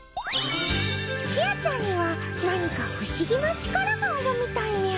ちあちゃんには何か不思議な力があるみたいみゃ。